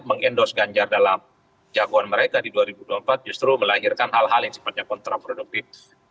mengendos ganjar dalam jagoan mereka di dua ribu dua puluh empat justru melahirkan hal hal yang sifatnya kontraproduktif